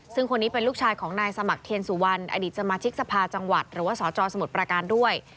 ซึ่งคนนี้เป็นลูกชายของนายสมัครเทียนสุวรรณอดีตสมาชิกสภาจังหวัดหรือว่าสจสมุทรประการด้วย